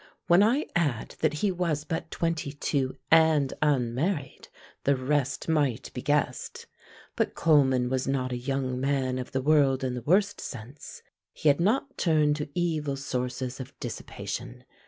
When I add that he was but twenty two and unmarried, the rest might be guessed, but Coleman was not a young man of the world in the worst sense he had not turned to evil sources of dissipation.